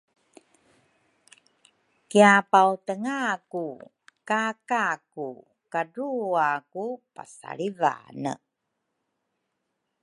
kiapautengaku ka Kaku kadrua ku pasalivange.